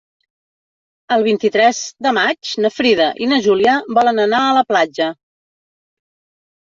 El vint-i-tres de maig na Frida i na Júlia volen anar a la platja.